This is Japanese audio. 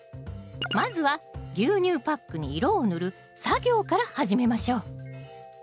まずは牛乳パックに色を塗る作業から始めましょう。